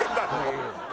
うん。